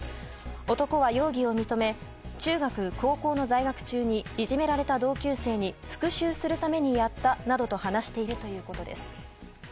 男は、容疑を認め中学、高校の在学中にいじめられた同級生に復讐するためにやったなどと話しているということです。